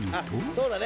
そうだね。